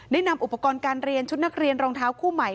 นำอุปกรณ์การเรียนชุดนักเรียนรองเท้าคู่ใหม่